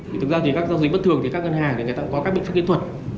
thực ra thì các giao dịch bất thường thì các ngân hàng có các biện pháp kiến thuật